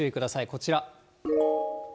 こちら。